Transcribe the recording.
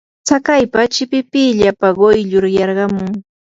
tsakaypa chipipillapa quyllur yarqamun.